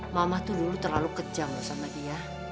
mama itu dulu terlalu kejam loh sama dia